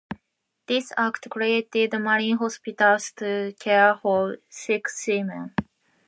This act created Marine Hospitals to care for sick seamen.